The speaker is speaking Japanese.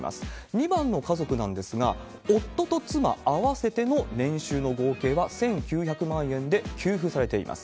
２番の家族なんですが、夫と妻合わせての年収の合計は１９００万円で給付されています。